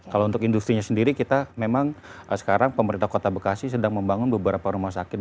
kalau untuk industri nya sendiri kita memang sekarang pemerintah kota bekasi sedang membangun beberapa rumah sakit